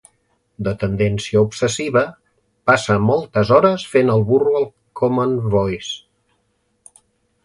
De tendència obsessiva, passa moltes hores fent el burro al Common Voice.